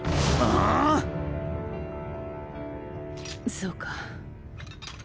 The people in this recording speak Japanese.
そうか。